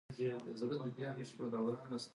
افغانستان کې د غرونه لپاره دپرمختیا پروګرامونه شته.